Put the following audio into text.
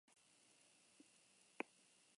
Rodano ibaiak igarotzen du lurraldea.